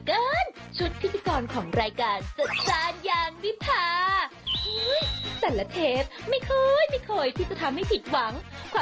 พูดถึงแรงบันดาลใจชุดคนนี้หน่อยค่ะ